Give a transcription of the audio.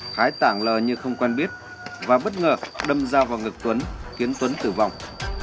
thái tảng lờ như không quen biết và bất ngờ đâm dao vào ngực tuấn khiến tuấn tử vong